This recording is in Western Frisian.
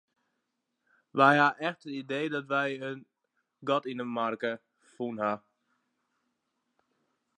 Wy hawwe echt it idee dat wy in gat yn 'e merk fûn hawwe.